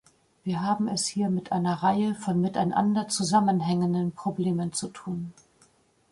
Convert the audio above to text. Wir haben es hier mit einer Reihe von miteinander zusammenhängenden Problemen zu tun.